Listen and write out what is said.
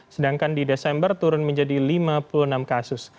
sedangkan di desember turun menjadi lima puluh enam kasus